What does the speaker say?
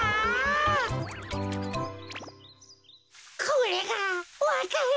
これがわか蘭。